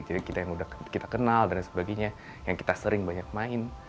jadi kita yang sudah kita kenal dan sebagainya yang kita sering banyak main